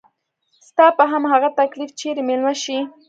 ستا به هم هغه تکليف چري ميلمه شي